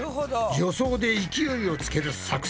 助走で勢いをつける作戦だな。